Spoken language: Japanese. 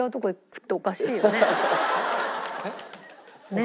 えっ？